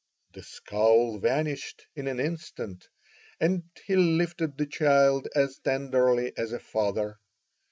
The scowl vanished in an instant, and he lifted the child as tenderly as a father.